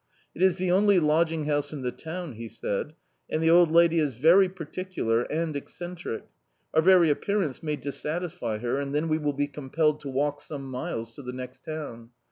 "It is the only lodging house in the town," he said, "and the old lady is very particular and eccentric. Our very appearance may dissatisfy her, and then D,i.,.db, Google On the Downright we will be compelled to walk some miles to the next town.